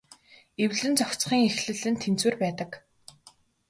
Эвлэн зохицохын эхлэл нь тэнцвэр байдаг.